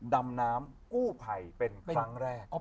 ดำน้ำกู้ภัยเป็นครั้งแรก